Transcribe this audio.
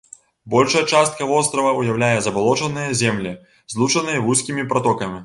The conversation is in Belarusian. Большая частка вострава ўяўляе забалочаныя землі, злучаныя вузкімі пратокамі.